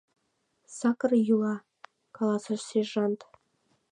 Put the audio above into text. — Сакыр йӱла, — каласыш сержант.